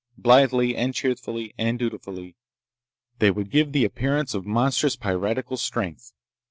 Blithely, and cheerfully, and dutifully, they would give the appearance of monstrous piratical strength.